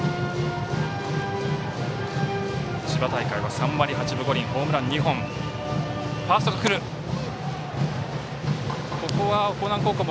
千葉大会は３割８分５厘ホームラン２本の森本哲太。